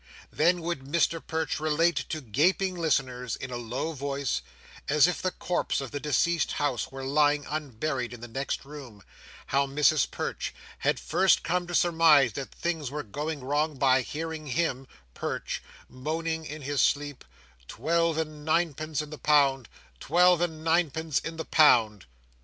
Then would Mr Perch relate to gaping listeners, in a low voice, as if the corpse of the deceased House were lying unburied in the next room, how Mrs Perch had first come to surmise that things was going wrong by hearing him (Perch) moaning in his sleep, "twelve and ninepence in the pound, twelve and ninepence in the pound!"